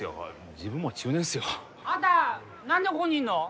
自分もう中年っすよあんた何でここにいんの？